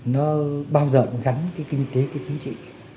nó bao giờ gắn cái kinh tế cái chính trị